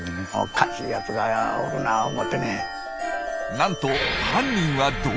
なんと犯人は動物。